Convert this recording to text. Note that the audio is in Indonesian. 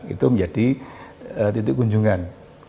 itu menjadi titik kunjungan